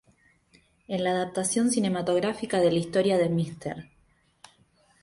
En la adaptación cinematográfica de la historia de "Mr.